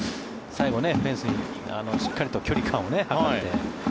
最後、フェンスにしっかりと距離感を取って。